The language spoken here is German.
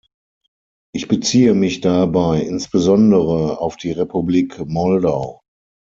Ich beziehe mich dabei insbesondere auf die Republik Moldau.